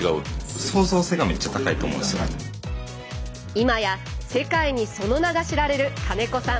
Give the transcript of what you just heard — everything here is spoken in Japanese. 今や世界にその名が知られる金子さん。